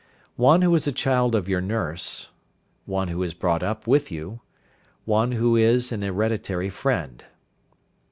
One who is a child of your nurse. One who is brought up with you. One who is an hereditary friend.